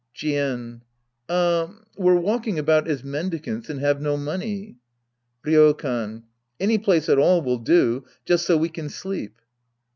Jien. Er, — we're walking about as mendicants and have no money. Ryokan. Any place at all will do, just so we can sleep.